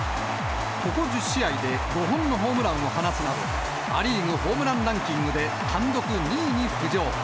ここ１０試合で５本のホームランを放つなど、ア・リーグのホームランランキングで単独２位に浮上。